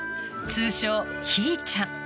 通称・ひーちゃん。